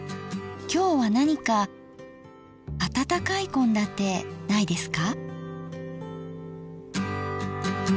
今日は何か温かい献立ないですか？